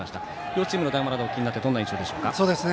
両チームの談話をお聞きになってどんな印象でしょうか。